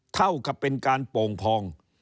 เท่ากับเป็นการโป่งพอง